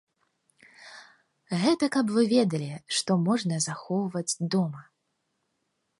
Гэта каб вы ведалі, што можна захоўваць дома.